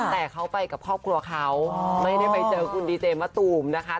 แต่เขาไปกับครอบครัวเขาไม่ได้ไปเจอคุณดีเจมะตูมนะคะ